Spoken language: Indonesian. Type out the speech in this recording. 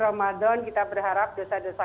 ramadan kita berharap dosa dosa